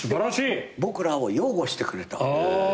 僕らを擁護してくれたの。